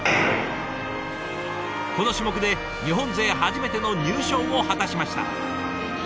この種目で日本勢初めての入賞を果たしました。